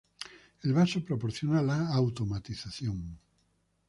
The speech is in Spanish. El vaso proporciona la automatización.